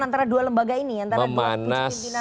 antara dua lembaga ini memanas